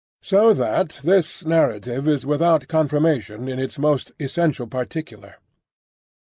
So that this narrative is without confirmation in its most essential particular.